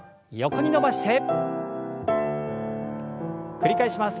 繰り返します。